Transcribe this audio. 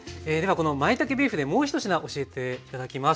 このまいたけビーフでもう１品教えて頂きます。